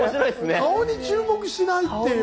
顔に注目しないっていう。